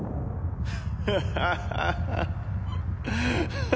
ハハハハ！